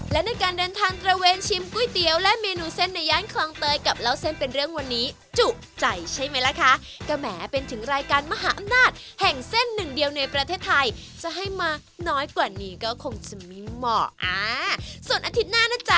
และในการเดินทางตระเวนชิมก๋วยเตี๋ยวและเมนูเส้นในย่านคลองเตยกับเล่าเส้นเป็นเรื่องวันนี้จุใจใช่ไหมล่ะคะก็แหมเป็นถึงรายการมหาอำนาจแห่งเส้นหนึ่งเดียวในประเทศไทยจะให้มาน้อยกว่านี้ก็คงจะไม่เหมาะอ่าส่วนอาทิตย์หน้านะจ๊